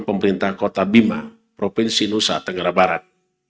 pemerintah kota bima provinsi nusa tenggara barat